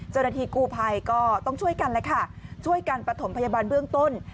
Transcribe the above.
เจ้าหน้าที่กู้ภัยก็ต้องช่วยกันแล้วค่ะช่วยกันประถมพยาบาลเบื้องต้น